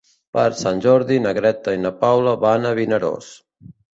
Per Sant Jordi na Greta i na Paula van a Vinaròs.